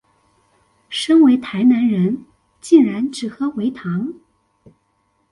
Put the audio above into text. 身為台南人竟然只喝微糖